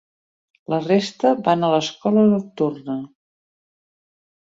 La resta van a l'escola nocturna.